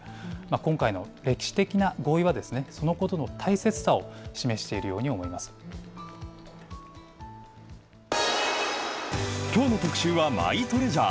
今回の歴史的な合意は、そのことの大切さを示しているように思いきょうの特集はマイトレジャー。